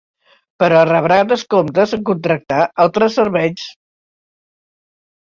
Però rebrà descomptes en contractar altres serveis.